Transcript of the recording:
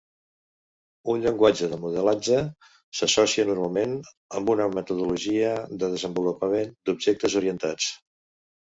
Un llenguatge de modelatge s'associa normalment amb una metodologia de desenvolupament d'objectes orientats.